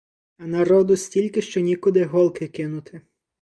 А народу стільки, що нікуди голки кинути.